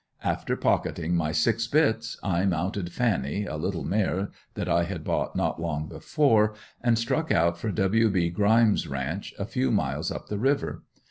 After pocketing my six bits, I mounted "Fannie" a little mare that I had bought not long before and struck out for W. B. Grimes' ranch, a few miles up the river.